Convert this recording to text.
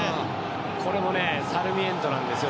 これもサルミエントなんです